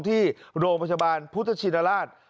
ที่โรงพยาบาลพุทธชินราช